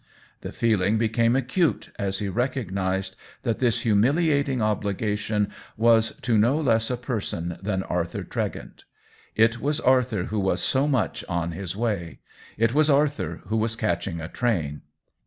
The feeling became acute as he recognized that this hu miliating obligation was to no less a per son than Arthur Tregent. It was Arthur who was so much on his way — it was Arthur who was catching a train.